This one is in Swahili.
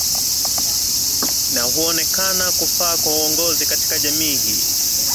na huonekana kufaa kwa uongozi katika jamii hii